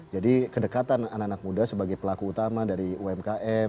jadi kedekatan anak anak muda sebagai pelaku utama dari umkm